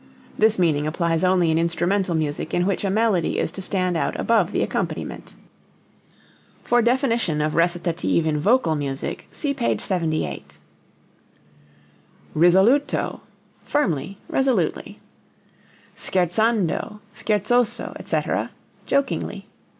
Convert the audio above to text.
(This meaning applies only in instrumental music in which a melody is to stand out above the accompaniment. For def. of recitative in vocal music, see p. 78.) Risoluto firmly, resolutely. Scherzando, scherzoso, etc. jokingly.